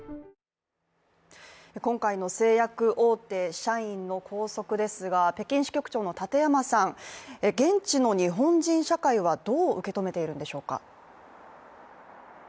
今回の製薬大手社員の拘束ですが北京支局長の立山さん、現地の日本人社会はどう受け止めているんでしょうか。